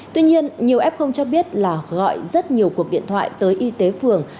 tuy nhiên nhiều ép không cho biết là gọi rất nhiều cuộc điện thoại tới y tế phường